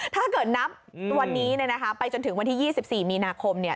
ถ้าเกิดนับวันนี้เนี่ยนะคะไปจนถึงวันที่๒๔มีนาคมเนี่ย